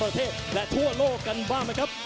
ประเทศและทั่วโลกกันบ้างนะครับ